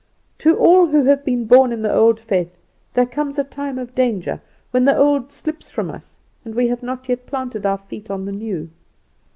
To all who have been born in the old faith there comes a time of danger, when the old slips from us, and we have not yet planted our feet on the new.